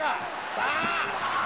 さあ。